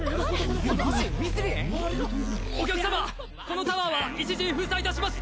お客様このタワーは一時封鎖いたします